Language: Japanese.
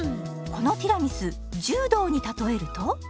このティラミス柔道に例えると？